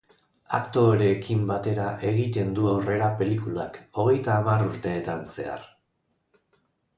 Aktoreekin batera egiten du aurrera pelikulak, hogeita hamar urteetan zehar.